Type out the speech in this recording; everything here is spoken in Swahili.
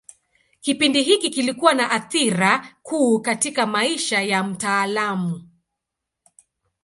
Kipindi hiki kilikuwa na athira kuu katika maisha ya mtaalamu.